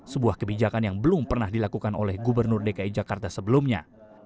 sebuah kebijakan yang belum pernah dilakukan oleh gubernur dki jakarta sebelumnya